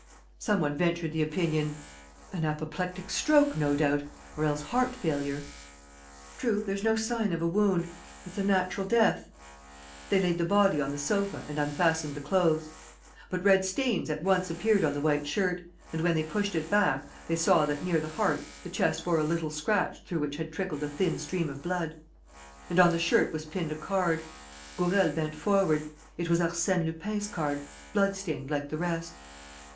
Some one ventured the opinion: "An apoplectic stroke, no doubt ... or else heart failure." "True, there's no sign of a wound ... it's a natural death." They laid the body on the sofa and unfastened the clothes. But red stains at once appeared on the white shirt; and, when they pushed it back, they saw that, near the heart, the chest bore a little scratch through which had trickled a thin stream of blood. And on the shirt was pinned a card. Gourel bent forward. It was Arsène Lupin's card, bloodstained like the rest.